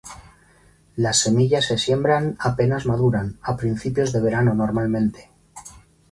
Las semillas se siembran apenas maduran, a principios de verano normalmente.